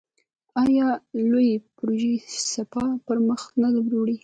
آیا لویې پروژې سپاه پرمخ نه وړي؟